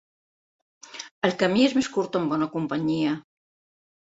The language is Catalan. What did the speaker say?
El camí és més curt amb bona companyia.